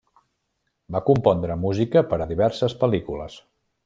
Va compondre música per a diverses pel·lícules.